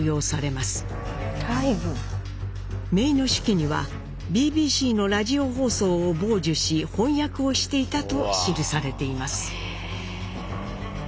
めいの手記にはＢＢＣのラジオ放送を傍受し翻訳をしていたと記されています。